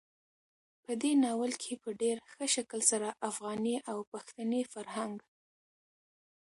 په دې ناول کې په ډېر ښه شکل سره افغاني او پښتني فرهنګ,